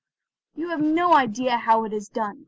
"You have no idea how it is done.